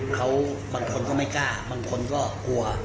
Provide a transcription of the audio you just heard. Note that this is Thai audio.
เขาบางคนก็ไม่กล้าบางคนก็กลัว